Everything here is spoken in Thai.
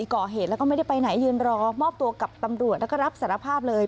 ก่อเหตุแล้วก็ไม่ได้ไปไหนยืนรอมอบตัวกับตำรวจแล้วก็รับสารภาพเลย